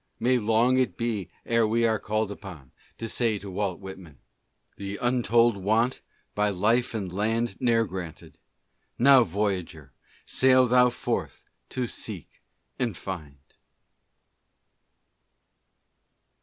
Long may it be ere we are called upon to say to Walt Whitman, " The untold want by life and land ne'er granted, Now voyager sail thou forth to seek and find."